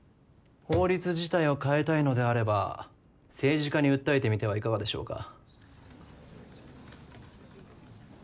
法律自体を変えたいのであれば政治家に訴えてみてはいかがでしょうか？